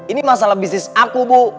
ini masalah bisnis aku bu